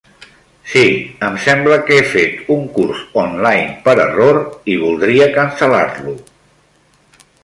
Sí, em sembla que he fet un curs online per error i voldria cancel·lar-lo.